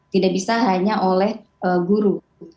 tidak bisa hanya oleh guru